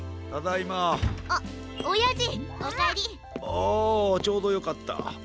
あちょうどよかった。